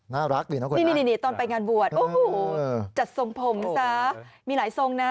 นี่ตอนไปงานบวชจำส่งผมมีหลายส่งนะ